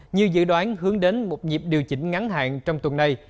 như dự đoán hướng đến một dịp điều chỉnh ngắn hạn trong tuần này